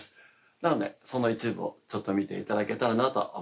なのでその一部をちょっと見ていただけたらなと思います。